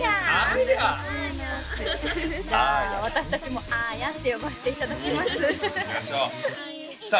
やあーやじゃあ私達もあーやって呼ばせていただきますいきましょうさあ